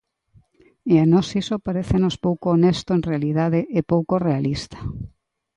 E a nós iso parécenos pouco honesto en realidade e pouco realista.